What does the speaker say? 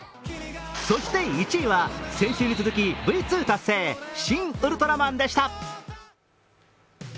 そして、１位は先週に続きＶ２達成、「シン・ウルトラマン」でした。